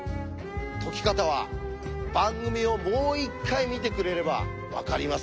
解き方は番組をもう一回見てくれればわかりますよ。